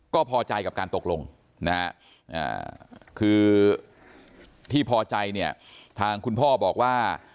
ก็พอใจกับการตกลงนะฮะคือที่พอใจเนี่ยทางคุณพ่อบอกว่า